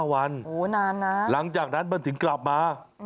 นานนะหลังจากนั้นมันถึงกลับมา